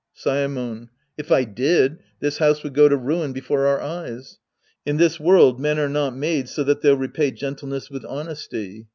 Saemon. If I did, this house would go to ruin before our eyes. In this world men are not made so that they'll repay gentleness with honesty.